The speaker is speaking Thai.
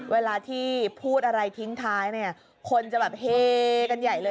เวลาที่พูดอะไรทิ้งท้ายเนี่ยคนจะแบบเฮกันใหญ่เลย